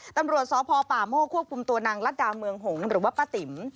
ตำรวจสพป่าโมกควบคุมตัวนางรัฐดาเมืองหงษ์หรือว่าป้าติ๋ม